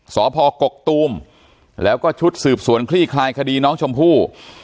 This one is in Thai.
สพกกตูมแล้วก็ชุดสืบสวนคลี่คลายคดีน้องชมพู่